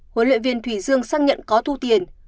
huấn luyện viên thủy dương xác nhận có thu tiền